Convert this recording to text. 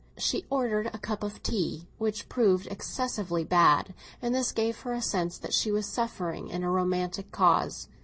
She ordered a cup of tea, which proved excessively bad, and this gave her a sense that she was suffering in a romantic cause.